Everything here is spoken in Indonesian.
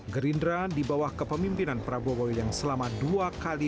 gerindra di bawah kepemimpinan prabowo yang selama dua kali